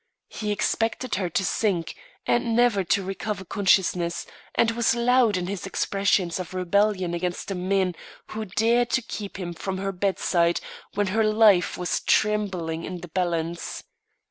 He expected her to sink and never to recover consciousness, and was loud in his expressions of rebellion against the men who dared to keep him from her bedside when her life was trembling in the balance.